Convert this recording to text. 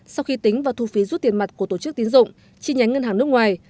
sau khi tính vào thu phí rút tiền mặt của tổ chức tín dụng chi nhánh ngân hàng nước ngoài